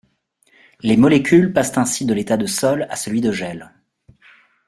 Les molécules passent ainsi de l'état de sol à celui de gel.